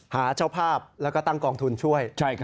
หาเจ้าภาพและตั้งกองทุนช่วย